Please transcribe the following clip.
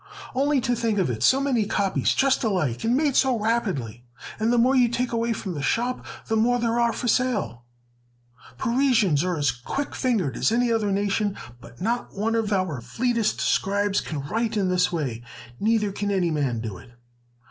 "Only to think of it, so many copies just alike, and made so rapidly! And the more you take away from the shop, the more there are for sale! Parisians are as quick fingered as any other nation, but not one of our fleetest scribes can write in this way; neither can any man do it!"